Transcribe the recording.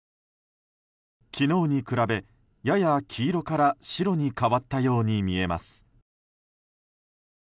昨日に比べ、やや黄色から白に変わったように見えます。